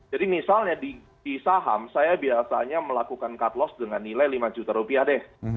misalnya di saham saya biasanya melakukan cut loss dengan nilai lima juta rupiah deh